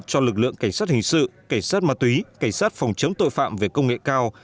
cho lực lượng cảnh sát hình sự cảnh sát ma túy cảnh sát phòng chống tội phạm về công nghệ cao